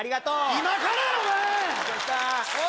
今からやろがい！